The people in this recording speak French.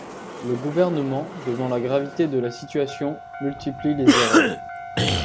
Le gouvernement, devant la gravité de la situation, multiplie les erreurs.